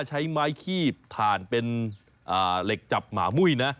ใช้ไม้คีบถ่านเป็นเหล็กจับหมามุ้ยนะ